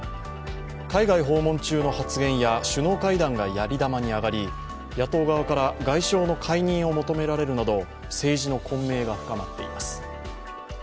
海外訪問中の発言や首脳会談がやり玉に挙がり野党側から外相の解任を求められるなど、政治の混迷が深まっています。